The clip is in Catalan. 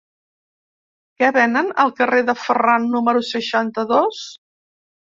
Què venen al carrer de Ferran número seixanta-dos?